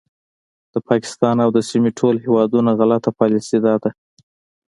د پاکستان او د سیمې ټولو هیوادونو غلطه پالیسي دا ده